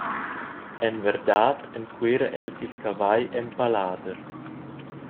En verdad enquera el il cavagl empalader.